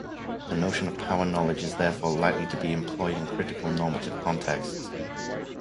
The notion of power-knowledge is therefore likely to be employed in critical, normative contexts.